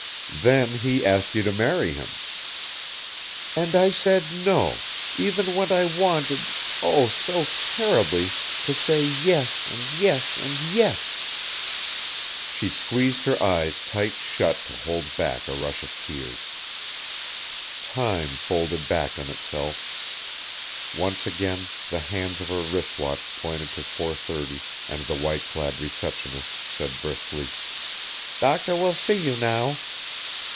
"Then he asked you to marry him." "And I said no, even when I wanted, oh, so terribly, to say yes and yes and yes." She squeezed her eyes tight shut to hold back a rush of tears. Time folded back on itself. Once again, the hands of her wristwatch pointed to 4:30 and the white clad receptionist said briskly, "Doctor will see you now."